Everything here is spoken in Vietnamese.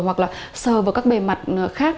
hoặc là sờ vào các bề mặt khác